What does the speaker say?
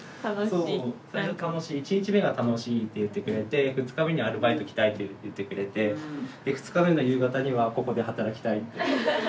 １日目が楽しいって言ってくれて２日目にアルバイト来たいと言ってくれてで２日目の夕方にはここで働きたいって。